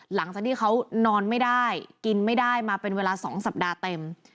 หลังจากที่เขานอนไม่ได้กินไม่ได้มาเป็นเวลา๒สัปดาห์เต็ม